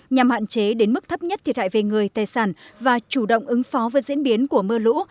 nhằm hạn chế đến mức thấp nhất thiệt hại về người tài sản và chủ động ứng phó với diễn biến của mưa lũ